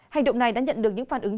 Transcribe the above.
hành động này đã nhận được những phản ứng